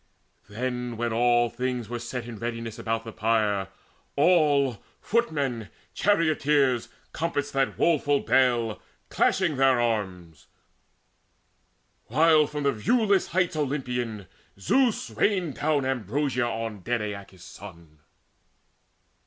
Then, when all things were set in readiness About the pyre, all, footmen, charioteers, Compassed that woeful bale, clashing their arms, While, from the viewless heights Olympian, Zeus Rained down ambrosia on dead Aeacus' son.